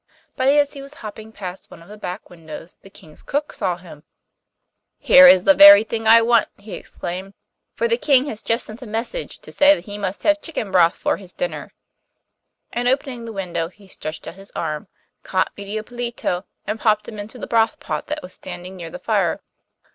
But as he was hopping past one of the back windows the King's cook saw him: 'Here is the very thing I want,' he exclaimed, 'for the King has just sent a message to say that he must have chicken broth for his dinner,' and opening the window he stretched out his arm, caught Medio Pollito, and popped him into the broth pot that was standing near the fire.